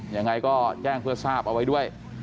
ยังไงก็แจ้งเพื่อทราบเอาไว้ด้วย